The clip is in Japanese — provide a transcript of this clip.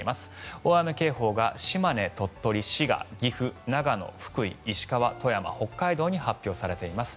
大雨警報が島根、鳥取、滋賀岐阜、長野、福井、石川、富山北海道に発表されています。